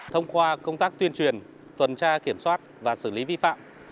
thông qua công tác tuyên truyền tuần tra kiểm soát và xử lý vi phạm